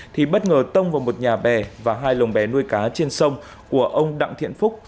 thì bất ngờ tông vào một nhà bè và hai lồng bè nuôi cá trên sông của ông đặng thiện phúc